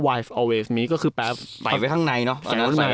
ว่าวายอัลเวสมีก็คือแปลไฟไว้ข้างในเนอะแสดงไว้